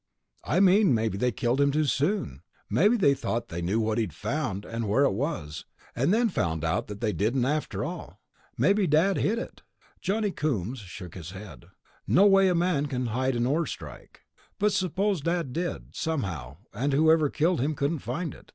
"I mean maybe they killed him too soon. Maybe they thought they knew what he'd found and where it was ... and then found out that they didn't, after all. Maybe Dad hid it...." Johnny Coombs shook his head. "No way a man can hide an ore strike." "But suppose Dad did, somehow, and whoever killed him couldn't find it?